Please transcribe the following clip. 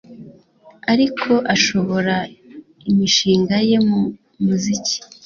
Ariko ashora imishinga ye mu muziki